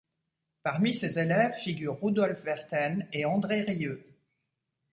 Parmi ses élèves figurent Rudolf Werthen et André Rieu.